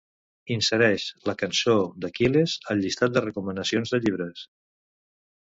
Insereix "La cançó d'Aquil·les" al llistat de recomanacions de llibres.